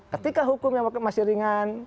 ketika hukumnya masih ringan